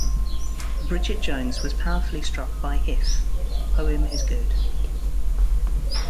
Bridget Jones was powerfully struck by "If-": "Poem is good.